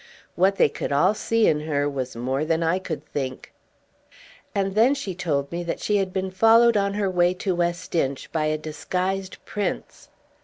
What they could all see in her was more than I could think. And then she told me that she had been followed on her way to West Inch by a disguised prince.